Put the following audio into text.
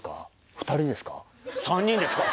２人ですか？